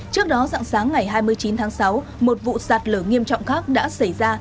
trước đó dặn sáng ngày hai mươi chín tháng sáu một vụ sạt lở nghiêm trọng khác đã xảy ra